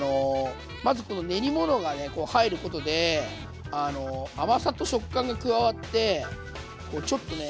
まずこの練り物が入ることで甘さと食感が加わってちょっとね